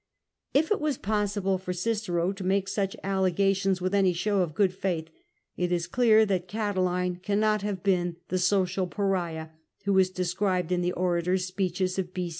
If it was possible for Cicero to make such allegations with any show of good faith, it is clear that Catiline cannot have been the social pariah who is described in the orator's speeches of B.